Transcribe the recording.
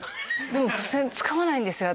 でも付箋使わないんですよ